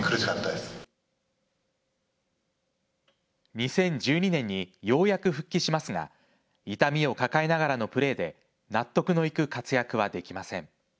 ２０１２年にようやく復帰しますが痛みを抱えながらのプレーで納得のいく活躍はできません。